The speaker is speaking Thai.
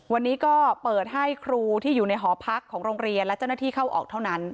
วันนี้ก็เปิดให้ครูที่อยู่ในหอพักของโรงเรียนและเจ้าหน้าที่เข้าออกเท่านั้น